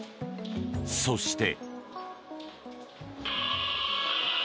そして。